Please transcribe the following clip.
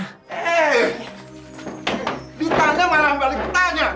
eh ditanya marah balik tanya